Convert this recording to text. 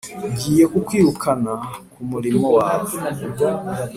Ngiye kukwirukana ku murimo wawe,